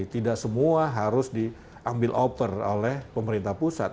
tidak semua harus diambil oper oleh pemerintah pusat